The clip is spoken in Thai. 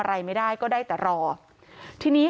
ความปลอดภัยของนายอภิรักษ์และครอบครัวด้วยซ้ำ